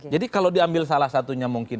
jadi kalau diambil salah satunya mungkin